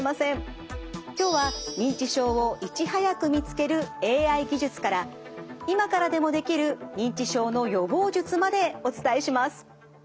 今日は認知症をいち早く見つけるＡＩ技術から今からでもできる認知症の予防術までお伝えします。